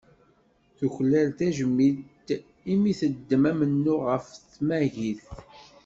Tuklal tajmilt i mi teddem amennuɣ ɣef tmagit.